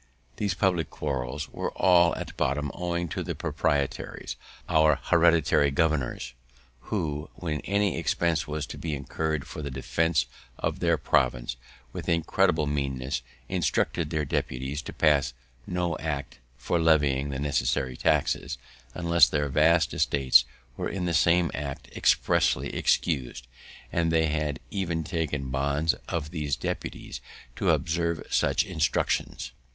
These public quarrels were all at bottom owing to the proprietaries, our hereditary governors, who, when any expense was to be incurred for the defense of their province, with incredible meanness instructed their deputies to pass no act for levying the necessary taxes, unless their vast estates were in the same act expressly excused; and they had even taken bonds of these deputies to observe such instructions.